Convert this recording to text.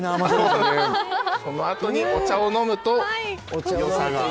そのあとにお茶を飲むと良さが。